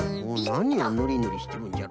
なにをぬりぬりしてるんじゃろうな。